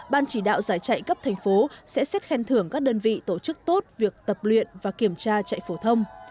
ban chỉ đạo giải chạy cấp thành phố sẽ xét khen thưởng các đơn vị tổ chức tốt việc tập luyện và kiểm tra chạy phổ thông